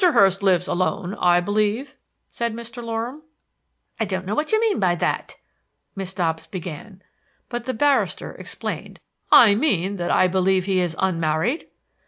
Hurst lives alone, I believe?" said Mr. Loram. "I don't know what you mean by that," Miss Dobbs began; but the barrister explained: "I mean that I believe he is unmarried?"